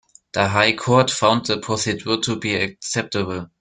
The High Court found the procedure to be acceptable.